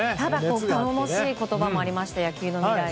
頼もしい言葉もありましたね。